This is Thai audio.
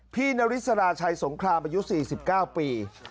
พี่นาริสราชัยสงครามประยุทธ์๔๙ปี